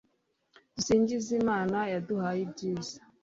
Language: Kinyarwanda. dusingize imana yaduhaye ibyiza